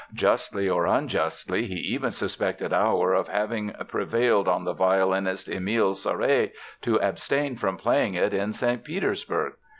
Justly or unjustly, he even suspected Auer of having prevailed on the violinist Emile Sauret to abstain from playing it in St. Petersburg.